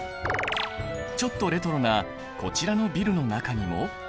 ちょっとレトロなこちらのビルの中にも。